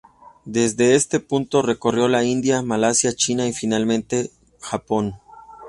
Desde este punto recorrió la India, Malasia, China y finalmente Japón.